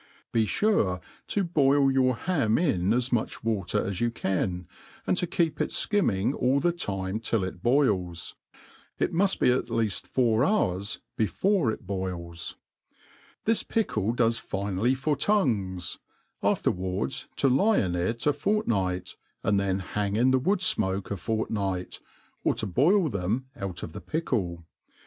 Be fure to boil your hani In as much water as you can, and to keep it ikimming all the time till it bolls. It muft be at leaft four hours before it boils. This pickle does finely for tongues, afterwards to lie In it a fortnight, and then hang in the wood fmoke a fortnight, or to |>oil them out of the pickle.